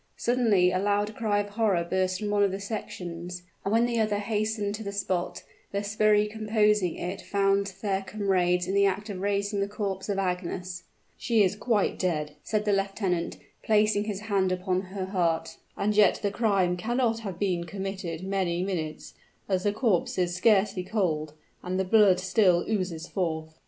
Suddenly a loud cry of horror burst from one of the sections; and when the other hastened to the spot, the sbirri composing it found their comrades in the act of raising the corpse of Agnes. "She is quite dead," said the lieutenant, placing his hand upon her heart. "And yet the crime cannot have been committed many minutes, as the corpse is scarcely cold, and the blood still oozes forth."